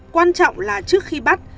quan trọng là trước khi bắt